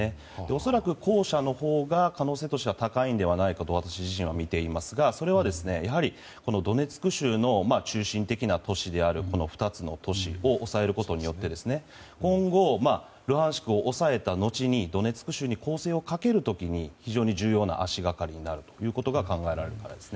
恐らく、後者のほうが可能性として高いんじゃないかと私自身は見ていますがそれはドネツク州の中心的な都市であるこの２つの都市を抑えることによって今後、ルハンシクを抑えた後にドネツク州に攻勢をかけるときに非常に重要な足がかかりになることが考えられるからです。